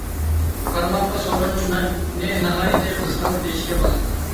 قارىماققا سورۇننى ناھايىتى قىزغىن دېيىشكە بولاتتى.